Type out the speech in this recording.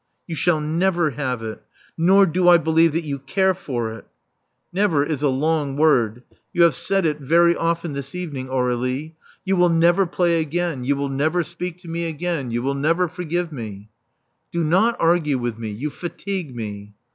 "You shall never have it. Nor do I believe that you care for it. "Never is a long word. You have said it very Love Among the Artists 377 often this evening, Aur^lie. You will never play again. You will never speak to me again. You will never forgive me." Do not argue with me. You fatigue me."